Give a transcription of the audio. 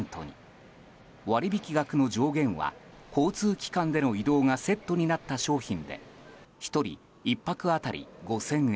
割引額の上限は交通機関での移動がセットになった商品で１人１泊当たり５０００円。